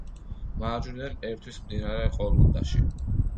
მარჯვნიდან ერთვის მდინარე ყორულდაში.